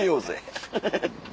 ハハハハ。